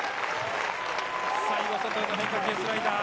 最後、外への変化球、スライダー。